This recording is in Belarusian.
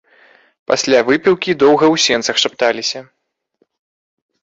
Пасля выпіўкі доўга ў сенцах шапталіся.